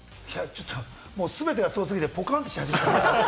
全てがすご過ぎて、ポカンとし始めた。